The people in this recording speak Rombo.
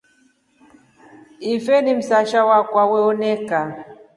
Ife ni msasha akwa wewonika.